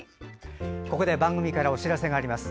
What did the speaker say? ここで番組からお知らせがあります。